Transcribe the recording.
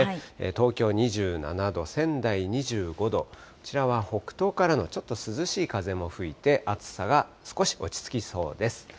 東京２７度、仙台２５度、こちらは北東からのちょっと涼しい風も吹いて、暑さが少し落ち着きそうです。